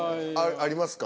ありますか？